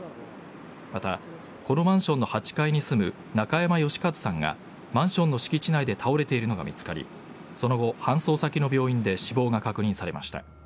また、このマンションの８階に住む中山義和さんがマンションの敷地内で倒れているのが見つかり、その後、搬送先の病院で死亡が確認されました。